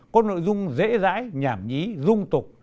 có nội dung dễ dãi nhảm nhí dung tục